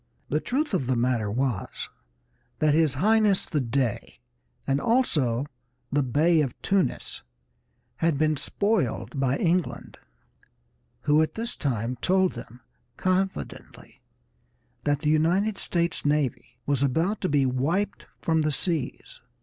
The truth of the matter was that his Highness the Dey, and also the Bey of Tunis, had been spoiled by England, who at this time told them confidently that the United States Navy was about to be wiped from the seas.